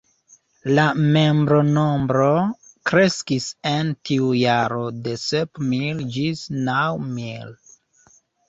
La membronombro kreskis en tiu jaro de sep mil ĝis naŭ mil.